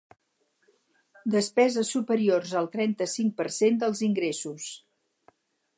Despeses superiors al trenta-cinc per cent dels ingressos.